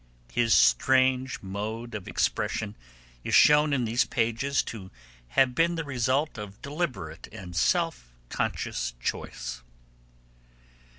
His strange mode of expression is shown in these pages to have been the result of deliberate and self conscious choice.